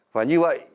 và như vậy